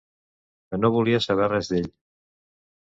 Que no volia saber res d'ell.